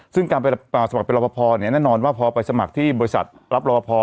ซึ่งการไปสมัครเป็นรอปภแน่นอนว่าพอไปสมัครที่บริษัทรับรอพอ